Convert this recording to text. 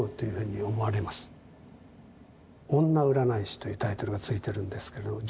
「女占い師」というタイトルがついてるんですけれども。